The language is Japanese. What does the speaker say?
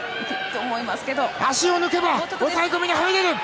足を抜けば抑え込みに入れる。